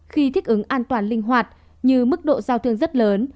khi thích ứng an toàn linh hoạt như mức độ giao thương rất lớn